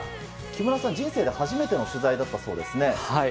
木村さん、人生で初めての取材だったそうですね。